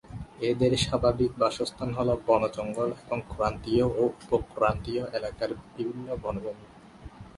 এদের স্বাভাবিক বাসস্থান হল বন জঙ্গল এবং ক্রান্তীয় ও উপক্রান্তীয় এলাকার বিভিন্ন বনভূমি।